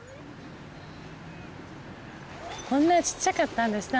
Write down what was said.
こんなちっちゃかったんですね